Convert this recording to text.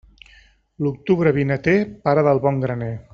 L'octubre vinater, pare del bon graner.